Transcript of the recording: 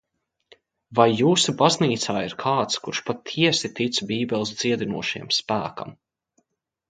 Vai jūsu baznīcā ir kāds, kurš patiesi tic Bībeles dziedinošajam spēkam?